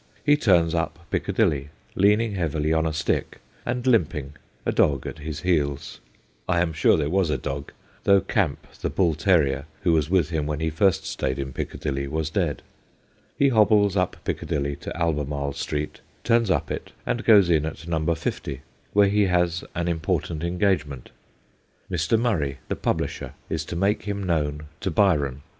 He turns up Piccadilly, leaning heavily on a stick and limping, a dog at his heels. I am sure there was a dog, though Camp, the bull terrier, who was with him when he first stayed in Piccadilly, was dead. He hobbles up Piccadilly to Albemarle Street, turns up it and goes in at No. 50, where he has an important engagement. Mr. Murray, SCOTT AND BYRON 199 the publisher, is to make him known to Byron.